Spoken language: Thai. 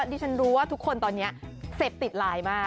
ดิฉันรู้ว่าทุกคนตอนนี้เสพติดไลน์มาก